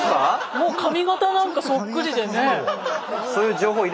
もう髪型なんかそっくりでね。